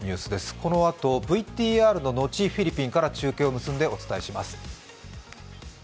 このあと、ＶＴＲの後フィリピンから中継を結んでお伝えします。